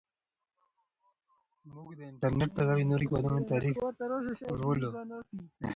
موږ د انټرنیټ له لارې د نورو هیوادونو تاریخ لولو.